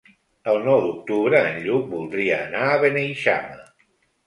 El nou d'octubre en Lluc voldria anar a Beneixama.